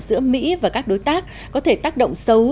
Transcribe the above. giữa mỹ và các đối tác có thể tác động xấu